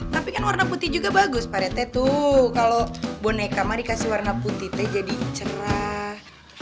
tapi kan warna putih juga bagus padatnya tuh kalau boneka mah dikasih warna putih tuh jadi cerah